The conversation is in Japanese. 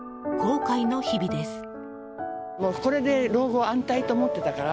後悔の日々です。